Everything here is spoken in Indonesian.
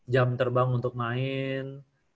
jam terbang untuk main